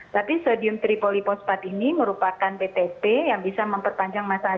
tapi sodium tripolifosfat ini merupakan btp yang bisa memperpanjang masa hacin pansoat